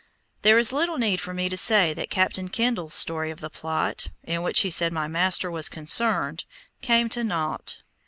There is little need for me to say that Captain Kendall's stories of the plot, in which he said my master was concerned, came to naught.